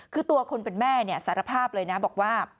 คือตัวคนเป็นแม่สารภาพเลยนะบอกว่า